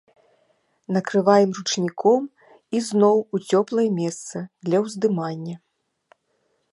Накрываем ручніком і зноў у цёплае месца для ўздымання.